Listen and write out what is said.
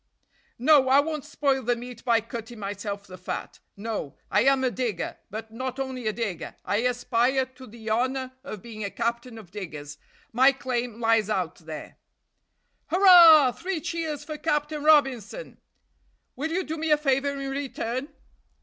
"No! I won't spoil the meat by cutting myself the fat no! I am a digger, but not only a digger, I aspire to the honor of being a captain of diggers; my claim lies out there." "Hurrah; three cheers for Captain Robinson!" "Will you do me a favor in return?"